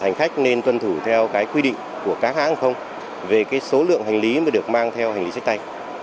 hành khách nên tuân thủ theo quy định của các hãng không về số lượng hành lý mà được mang theo hành lý sách tay